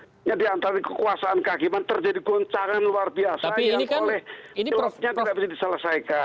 salah negara yang keadaannya diantar di kekuasaan kehakiman terjadi goncangan luar biasa yang oleh silapnya tidak bisa diselesaikan